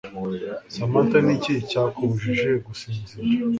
Samantha Niki cyakubujije gusinzira